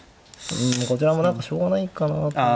こちらも何かしょうがないかなと。